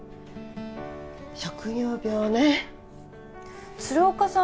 職業病ね鶴岡さん